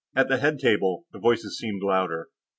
At the head table, the voices seemed louder.